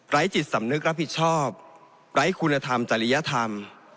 จิตสำนึกรับผิดชอบไร้คุณธรรมจริยธรรม